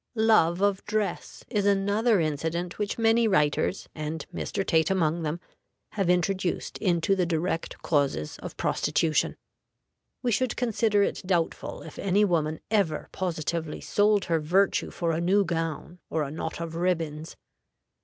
LOVE OF DRESS is another incident which many writers, and Mr. Tait among them, have introduced into the direct causes of prostitution. We should consider it doubtful if any woman ever positively sold her virtue for a new gown or a knot of ribbons.